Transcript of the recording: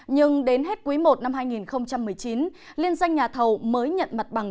nhưng đến hết quý i năm hai nghìn một mươi chín liên doanh nhà thầu mới nhận mặt bằng